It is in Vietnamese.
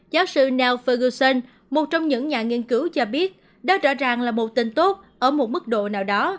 giáo sư nao ferguson một trong những nhà nghiên cứu cho biết đó rõ ràng là một tin tốt ở một mức độ nào đó